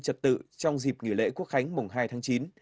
trật tự trong dịp nghỉ lễ quốc khánh mùng hai tháng chín